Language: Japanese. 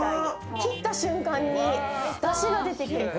切った瞬間にだしが出てきて。